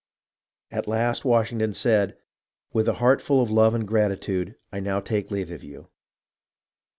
At last Washington said :" With a heart full of love and gratitude I now take leave of you.